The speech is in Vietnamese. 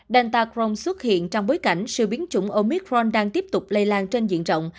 delta crohn xuất hiện trong bối cảnh sự biến chủng omicron đang tiếp tục lây lan trên diện rộng